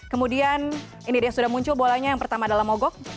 kemudian ini dia sudah muncul bolanya yang pertama adalah mogok